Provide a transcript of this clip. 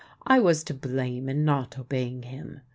I was to blame in not obeying him.